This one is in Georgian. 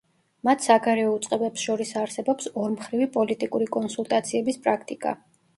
მათ საგარეო უწყებებს შორის არსებობს ორმხრივი პოლიტიკური კონსულტაციების პრაქტიკა.